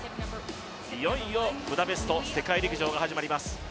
いよいよブダペスト世界陸上が始まります。